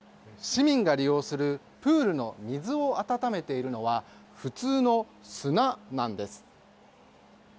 市民が利用するプールの水を温めているのは普通の砂なんです。